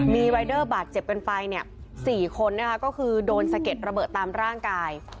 มีบาทเจ็บกันไปเนี่ยสี่คนนะคะก็คือโดนสะเก็ดระเบิดตามร่างกาย